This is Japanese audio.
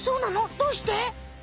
どうして？